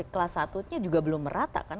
kelas satu nya juga belum merata kan